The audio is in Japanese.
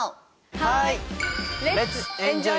はい！